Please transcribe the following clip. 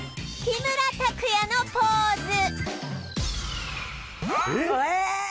木村拓哉のポーズ？